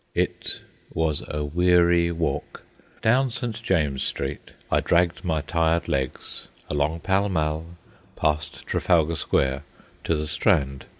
It was a weary walk. Down St. James Street I dragged my tired legs, along Pall Mall, past Trafalgar Square, to the Strand.